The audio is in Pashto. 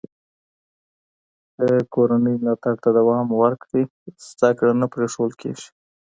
که کورنۍ ملاتړ ته دوام ورکړي، زده کړه نه پرېښودل کېږي.